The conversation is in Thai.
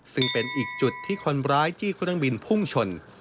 ซึ่งเป็นอีกจุดที่คนร้ายที่เครื่องบินพุ่งชน